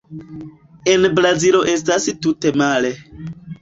En Brazilo estas tute male.